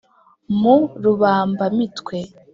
mu rubamba-mitwe